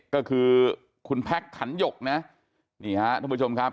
ก็คือคุณแพคขันโยกนี่ฮะทุกประชุมครับ